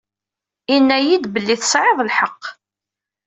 Inna-yid belli tesɛiḍ lḥeq.